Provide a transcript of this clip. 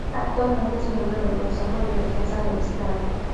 Actualmente es miembro del Consejo de Defensa del Estado.